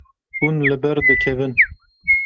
Hûn li ber dikevin.